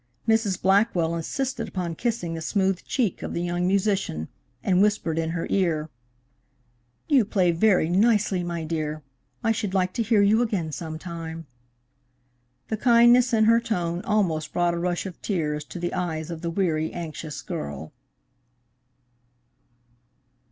Mrs. Blackwell insisted upon kissing the smooth cheek of the young musician, and whispered in her ear: "You play very nicely, my dear. I should like to hear you again some time." The kindness in her tone almost brought a rush of tears to the eyes of the weary, anxious girl.